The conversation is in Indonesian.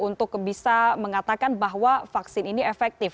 untuk bisa mengatakan bahwa vaksin ini efektif